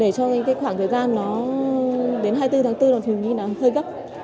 để cho cái khoảng thời gian nó đến hai mươi bốn tháng bốn thì mình nghĩ là hơi gấp